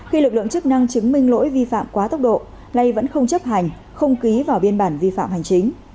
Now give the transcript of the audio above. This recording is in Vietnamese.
khi lực lượng chức năng chứng minh lỗi vi phạm quá tốc độ nay vẫn không chấp hành không ký vào biên bản vi phạm hành chính